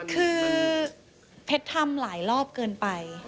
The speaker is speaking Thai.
คือเพชรทำหลายรอบเกินไป